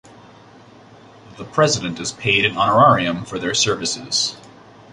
The president is paid an honorarium for their services.